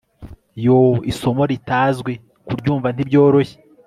Yoo Isomo ritazwi kuryumva ntibyoroshye